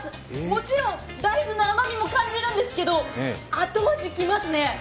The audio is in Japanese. もちろん大豆の甘味も感じるんですけど後味、来ますね。